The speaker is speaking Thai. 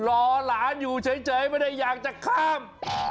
รอหลานอยู่เฉยไม่ได้อยากจะข้าม